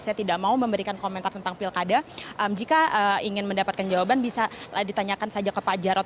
saya tidak mau memberikan komentar tentang pilkada jika ingin mendapatkan jawaban bisa ditanyakan saja ke pak jarod